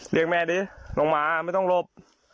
เลี่ยงแม่ดีลงมาไม่ต้องรบ